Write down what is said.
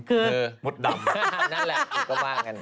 คือมดดำ